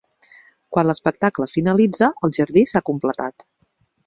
Quan l'espectacle finalitza, el jardí s'ha completat.